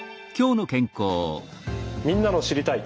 みんなの「知りたい！」